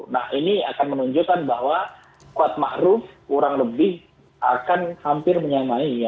nah ini akan menunjukkan bahwa kuat ma'ruf kurang lebih akan hampir menyamai ya